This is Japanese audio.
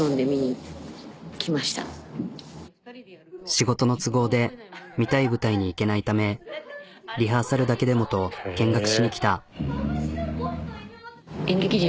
仕事の都合で見たい舞台に行けないためリハーサルだけでもと見学しに来た。